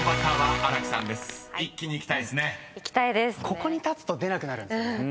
ここに立つと出なくなるんですよね